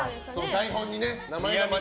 台本にね。